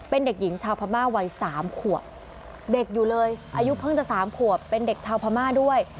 เป็นเด็กหญิงชาวพม่าวัย๓ขวบเด็กอยู่เลยอายุเพิ่งจะ๓ขวบเป็นเด็กชาวพม่าด้วย